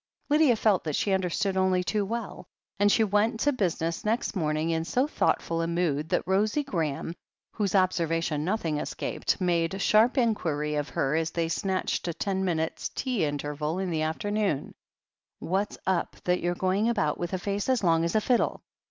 Lydia felt that she tmderstood only too well, and she went to business next morning in so thoughtful a mood that Rosie Graham, whose observation nothing escaped, made sharp inquiry of her as they snatched a ten minutes' tea interval in the afternoon : "What's up that you're going about with a face as long as a fiddle?"